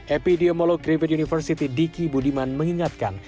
epidemiolog griffith university diki budiman mengingatkan